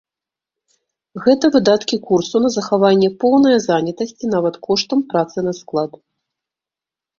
Гэта выдаткі курсу на захаванне поўнае занятасці нават коштам працы на склад.